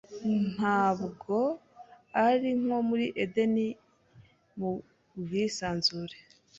ntabwo ari nko muri Edeni iyo mu bwisanzure